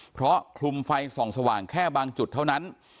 เพราะคลุมไฟส่องสว่างแค่บางจุดเท่านั้น